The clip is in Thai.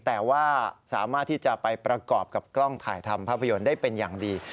แต่ว่าสามารถที่จะไปประกอบกับกล้องถ่ายทำภาพยนตร์ได้เป็นอย่างดี